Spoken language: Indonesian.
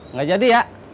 nggak jadi ya